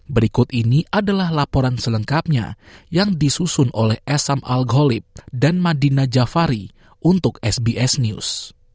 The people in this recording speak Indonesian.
berikut ini adalah laporan selengkapnya yang disusun oleh esam al ghalib dan madina jafari untuk sbs news